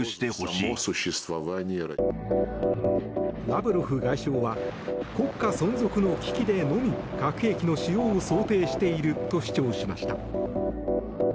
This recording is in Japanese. ラブロフ外相は国家存続の危機でのみ核兵器の使用を想定していると主張しました。